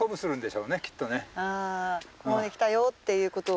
ここまで来たよっていうことを。